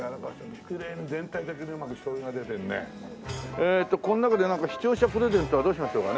えーっとこの中で視聴者プレゼントはどうしましょうかね。